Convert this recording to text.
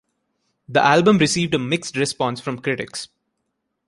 The album received a mixed response from critics.